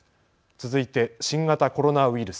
続いて新型コロナウイルス。